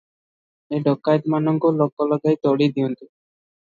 ଏ ଡକାଏତମାନଙ୍କୁ ଲୋକ ଲଗାଇ ତଡ଼ି ଦିଅନ୍ତୁ ।"